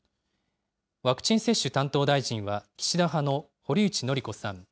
ワクチン接種担当大臣は岸田派の堀内詔子さん。